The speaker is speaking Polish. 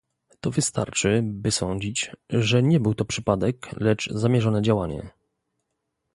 To wystarczy, by sądzić, że nie był to przypadek, lecz zamierzone działanie